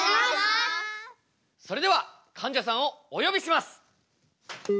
それではかんじゃさんをお呼びします。